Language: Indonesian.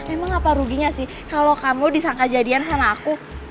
emang apa ruginya sih kalau kamu disangka jadian sama aku